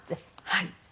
はい。